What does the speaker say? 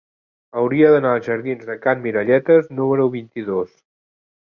Hauria d'anar als jardins de Can Miralletes número vint-i-dos.